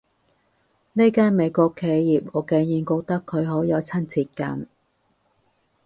呢間美國企業，我竟然覺得佢好有親切感